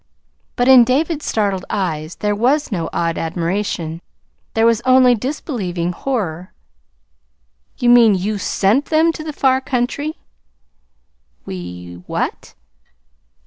But in David's startled eyes there was no awed admiration, there was only disbelieving horror. "You mean, you SENT them to the far country?" "We what?"